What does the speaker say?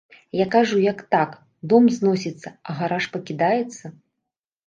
Я кажу, як так, дом зносіцца, а гараж пакідаецца?